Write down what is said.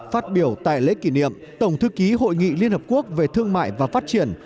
phát biểu tại lễ kỷ niệm tổng thư ký hội nghị liên hợp quốc về thương mại và phát triển